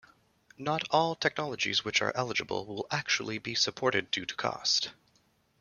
Not all technologies which are eligible will actually be supported due to cost.